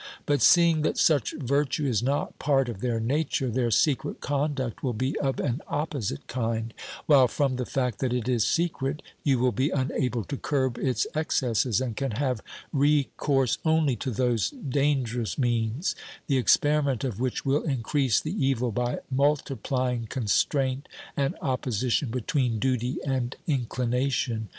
But seeing that such virtue is not part of their nature, their secret conduct will be of an opposite kind, 264 OBERMANN while from the fact that it is secret you will be unable to curb its excesses, and can have recourse only to those dangerous means, the experiment of which will increase the evil by multiplying constraint and opposition between duty and inclination.